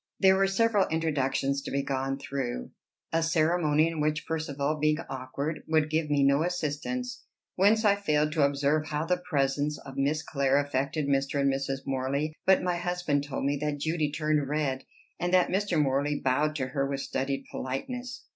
There were several introductions to be gone through, a ceremony in which Percivale, being awkward, would give me no assistance; whence I failed to observe how the presence of Miss Clare affected Mr. and Mrs. Morley; but my husband told me that Judy turned red, and that Mr. Morley bowed to her with studied politeness.